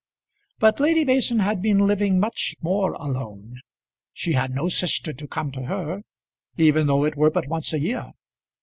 But Lady Mason had been living much more alone. She had no sister to come to her, even though it were but once a year.